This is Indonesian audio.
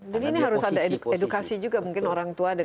ini harus ada edukasi juga mungkin orang tua